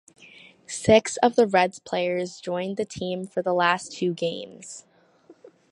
Six of the Reds players joined the team for the last two games.